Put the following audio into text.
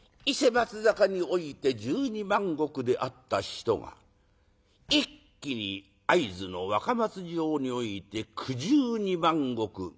伊勢・松坂において１２万石であった人が一気に会津の若松城において９２万石。